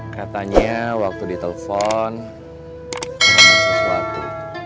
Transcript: katanya waktu ditelepon sesuatu